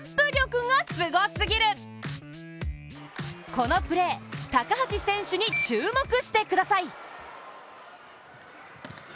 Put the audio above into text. このプレー、高橋選手に注目してください。